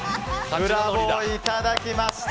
ブラボーいただきました。